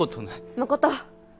誠！